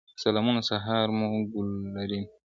سلامونه سهار مو ګلورین.